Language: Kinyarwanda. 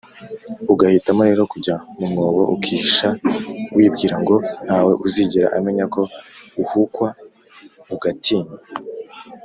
Ugahitamo rero kujya mu mwobo ukihisha wibwira ngo ntawe uzigera amenya ko uhukwa ugatinya